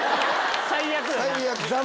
最悪やな。